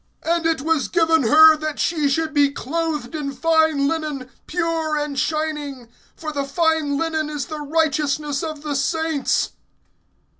(8)And it was given her that she should be clothed in fine linen, pure and shining; for the fine linen is the righteousness of the saints.